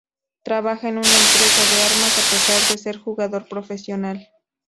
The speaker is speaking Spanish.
Trabaja en una empresa de armas a pesar de ser jugador profesional.